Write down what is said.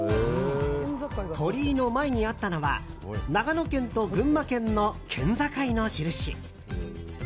鳥居の前にあったのは長野県と群馬県の県境の印。